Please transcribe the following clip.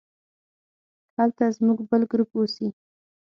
هلته زموږ بل ګروپ اوسي.